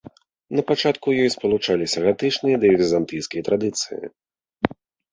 На пачатку ў ёй спалучаліся гатычныя і візантыйскія традыцыі.